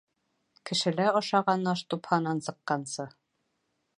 Кешелә ашаған аш тупһанан сыҡҡансы.